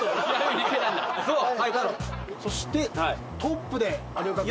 そしてトップで有岡君。